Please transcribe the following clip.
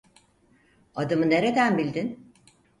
Adımı nereden bildin?